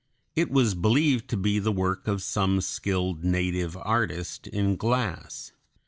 It was believed to be the work of some skilled native artist in glass.